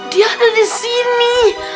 dia ada di sini